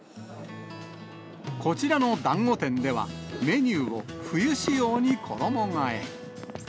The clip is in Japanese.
こちらのだんご店では、メニューを冬仕様に衣がえ。